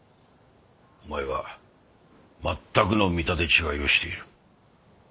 お前は全くの見立て違いをしている。